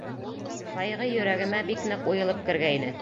Ҡайғы йөрәгемә бик ныҡ уйылып кергәйне.